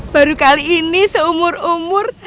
baru kali ini seumur umur